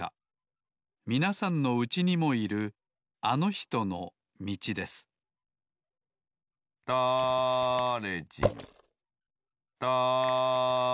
みなさんのうちにもいるあのひとのみちですだれじんだれじん